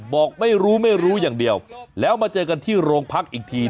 บอกไม่รู้ไม่รู้อย่างเดียวแล้วมาเจอกันที่โรงพักอีกที